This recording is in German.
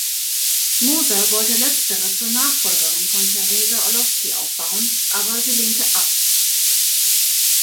Moser wollte letztere zur Nachfolgerin von Teresa Orlowski aufbauen, aber sie lehnte ab.